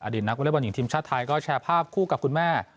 อดีตนักวิลาวบรรยีทีมชาติไทยก็แชร์ภาพคู่กับคุณแม่